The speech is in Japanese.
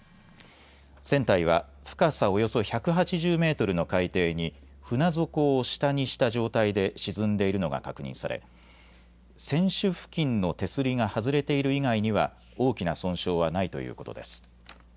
船体は深さおよそ１８０メートルの海底に船底を下にした状態で沈んでいるのが確認され船首付近の手すりが外れている以外には大きな損傷はないということです。